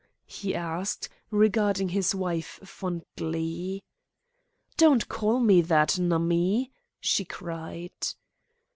he asked, regarding his wife fondly. "Don't call me that, Nummie!" she cried.